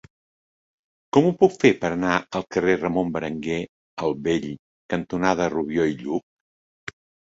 Com ho puc fer per anar al carrer Ramon Berenguer el Vell cantonada Rubió i Lluch?